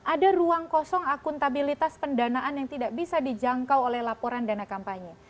ada ruang kosong akuntabilitas pendanaan yang tidak bisa dijangkau oleh laporan dana kampanye